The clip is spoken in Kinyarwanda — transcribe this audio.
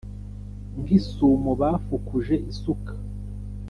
Nk'isumo bafukuje isuka